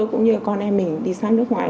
cũng như con em mình đi sang nước ngoài